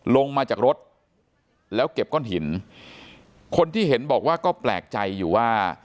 ลงมาจากรถแล้วเก็บก้อนหินคนที่เห็นบอกว่าก็แปลกใจอยู่ว่า